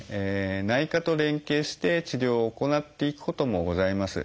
内科と連携して治療を行っていくこともございます。